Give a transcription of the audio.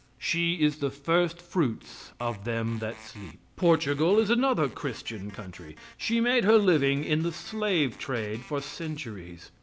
She is the first fruits of them that sleep. Portugal is another Christian country. She made her living in the slave trade for centuries.